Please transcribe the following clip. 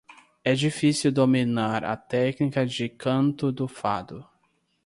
É difícil dominar a técnica de canto do fado.